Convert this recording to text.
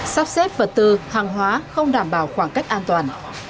sắp xếp vật tư hàng hóa không đảm bảo khoảng cách an toàn